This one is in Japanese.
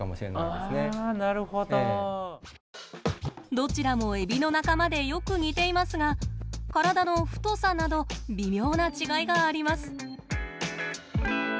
どちらもエビの仲間でよく似ていますが体の太さなど微妙な違いがあります。